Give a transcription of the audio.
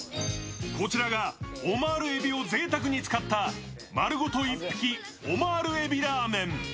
こちらがオマール海老をぜいたくに使った丸ごと一匹オマール海老らーめん。